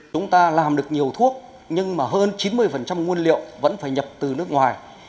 chúng ta làm được nhiều thuốc nhưng mà hơn chín mươi nguồn liệu vẫn phải nhập từ nước ngoài